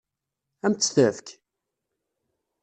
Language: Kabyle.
Ad m-tt-tefk?